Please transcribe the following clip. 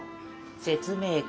説明会。